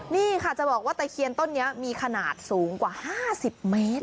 นี่ค่ะจะบอกว่าตะเคียนต้นนี้มีขนาดสูงกว่า๕๐เมตร